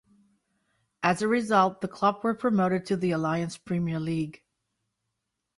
As a result, the club were promoted to the Alliance Premier League.